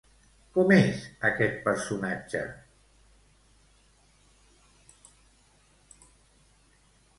Com és aquest personatge?